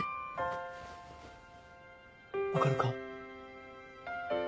分かるか？